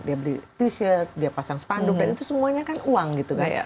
dia beli t shirt dia pasang spanduk dan itu semuanya kan uang gitu kan